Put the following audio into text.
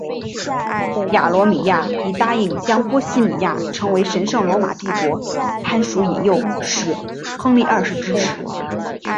亚罗米尔以答应将波希米亚成为神圣罗马帝国藩属诱使亨利二世支持。